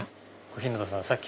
小日向さん